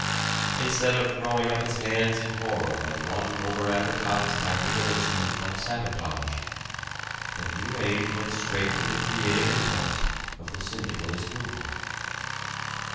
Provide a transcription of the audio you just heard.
Instead of throwing up its hands in horror at one over advertised tactical incident like sabotage, the "New Age" went straight to the creative impulse of the syndicalist movement.